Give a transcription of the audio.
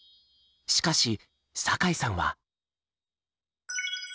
しかし酒井さんは。